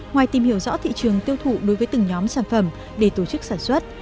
ngoài tìm hiểu rõ thị trường tiêu thụ đối với từng nhóm sản phẩm để tổ chức sản xuất